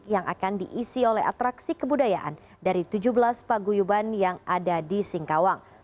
yang akan diisi oleh atraksi kebudayaan dari tujuh belas paguyuban yang ada di singkawang